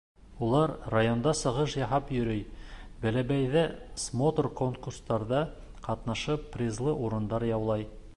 Улар районда сығыш яһап йөрөй, Бәләбәйҙә смотр-конкурстарҙа ҡатнашып, призлы урындар яулай.